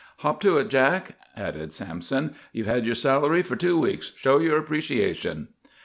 "Hop to it, Jack," added Sampson. "You've had your salary for two weeks. Show your appreciation."